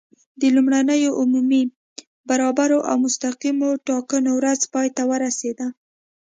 د لومړنیو عمومي، برابرو او مستقیمو ټاکنو ورځ پای ته ورسېده.